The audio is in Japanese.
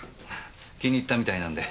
気に入ったみたいなんで。